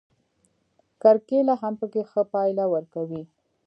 کرکېله هم پکې ښه پایله ورکوي.